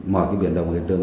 mọi cái biển đồng hiện trường